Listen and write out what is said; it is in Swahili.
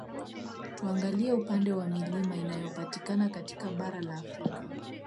Tuangalie upande wa Milima inayopatikana katika bara la Afrika